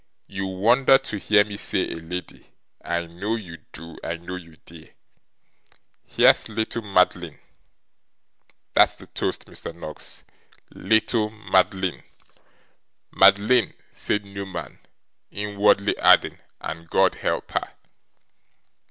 You wonder to hear me say A lady. I know you do, I know you do. Here's little Madeline. That's the toast. Mr. Noggs. Little Madeline!' 'Madeline!' said Newman; inwardly adding, 'and God help her!